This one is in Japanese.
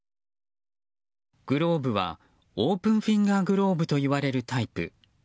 グローブはオープンフィンガーグローブといわれるタイプ。